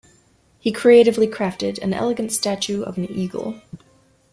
He creatively crafted an elegant statue of an eagle.